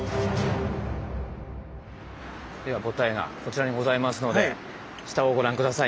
では答えがこちらにございますので下をご覧下さい。